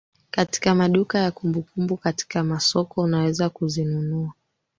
katika maduka ya kumbukumbu katika masoko unaweza kuzinunua